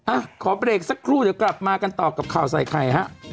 อ่ะขอเบรกสักครู่เดี๋ยวกลับมากันต่อกับข่าวใส่ไข่ฮะ